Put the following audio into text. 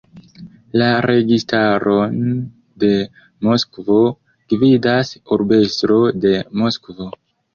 La Registaron de Moskvo gvidas Urbestro de Moskvo.